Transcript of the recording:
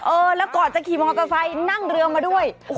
เออแล้วก่อนจะขี่มอเตอร์ไซค์นั่งเรือมาด้วย